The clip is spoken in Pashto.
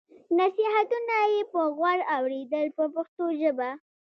نصیحتونه یې په غور اورېدل په پښتو ژبه.